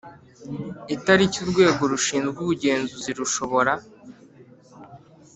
itariki Urwego rushinzwe ubugenzuzi rushobora